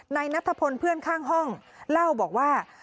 นายนัทพลเพื่อนข้างห้องเล่าบอกว่า